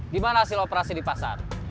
gimana hasil operasi di pasar